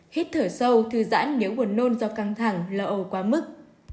hít thở sâu thư giãn nếu buồn nôn do căng thẳng lỡ ồ quá mức